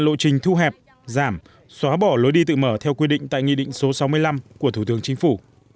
lộ trình thu hẹp giảm xóa bỏ lối đi tự mở theo quy định tại nghị định số sáu mươi năm của thủ tướng chính phủ